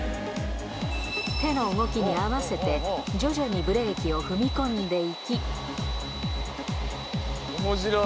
手の動きに合わせて、徐々にブレーキを踏み込んでいき。